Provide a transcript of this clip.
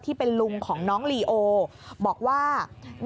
ที่เป็นลุงของน้องลีโอบอกว่า